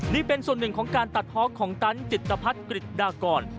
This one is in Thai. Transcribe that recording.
นี่เป็นส่วนหนึ่งของการตัดเพาะของตันจิตภัทรกฤษดากร